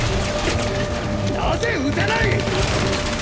なぜ撃たない！！